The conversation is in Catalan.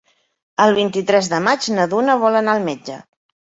El vint-i-tres de maig na Duna vol anar al metge.